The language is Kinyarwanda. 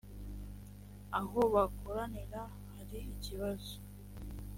aho bakoranira hari ikibazo